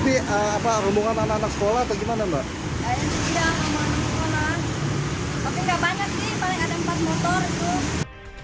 tapi apa hubungan anak anak sekolah atau gimana mbak